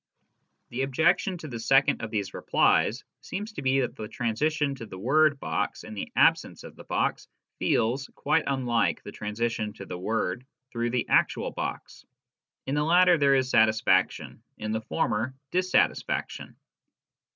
The objection to the second of these replies seems to be that the transition to the word " box " in the absence of the box feels quite unlike the transition to the word through the actual box : in the latter there is satisfaction, in the former dissatisfaction.